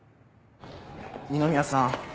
二宮さん。